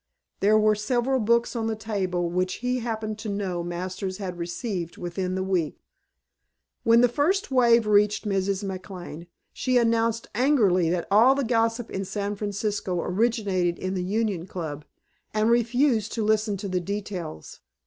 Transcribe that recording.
There were several books on the table which he happened to know Masters had received within the week. When the new wave reached Mrs. McLane she announced angrily that all the gossip in San Francisco originated in the Union Club, and refused to listen to details.